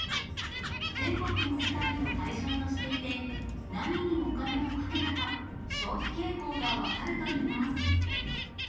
全国の世帯を対象としていて、何にお金をかけたか、消費傾向が分かるといいます。